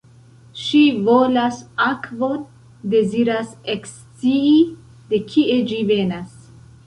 Ŝi volas akvon — deziras ekscii de kie ĝi venas.